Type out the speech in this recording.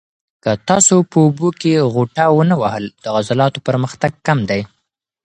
که تاسو په اوبو کې غوټه ونه وهل، د عضلاتو پرمختګ کم دی.